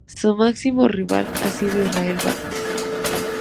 Su máximo rival ha sido Israel Vázquez.